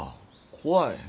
怖い。